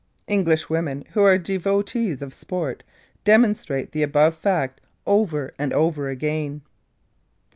English women who are devotees of sport, demonstrate the above fact over and over again.